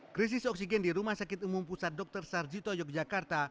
krisis oksigen di rumah sakit umum pusat dr sarjito yogyakarta